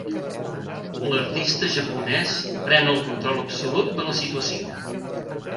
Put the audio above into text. L'artista japonès pren el control absolut de la situació.